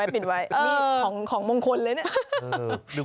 ปิดไว้นี่ของมงคลเลยเนี่ย